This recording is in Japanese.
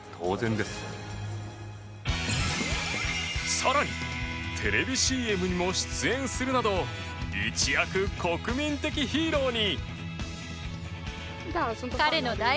更にテレビＣＭにも出演するなど一躍、国民的ヒーローに。